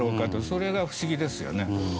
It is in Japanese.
それが不思議ですよね。